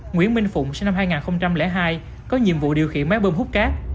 nguyễn minh phụng sinh năm hai nghìn hai có nhiệm vụ điều khiển máy bơm hút cát